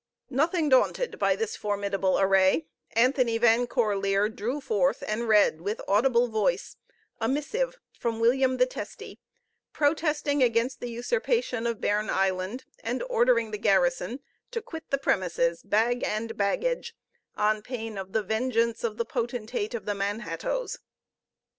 Nothing daunted by this formidable array, Anthony Van Corlear drew forth and read with audible voice a missive from William the Testy, protesting against the usurpation of Bearn Island, and ordering the garrison to quit the premises, bag and baggage, on pain of the vengeance of the potentate of the Manhattoes.